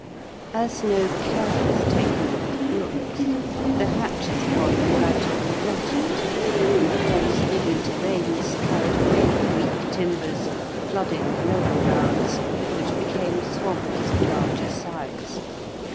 As no care was taken with the brooks, the hatches upon them gradually rotted, and the force of the winter rains carried away the weak timbers, flooding the lower grounds, which became swamps of larger size.